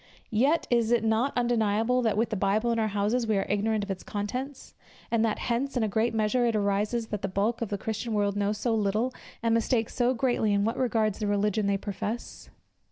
Yet, is it not undeniable that with the Bible in our houses, we are ignorant of its contents; and that hence, in a great measure, it arises, that the bulk of the Christian world know so little, and mistake so greatly, in what regards the religion which they profess?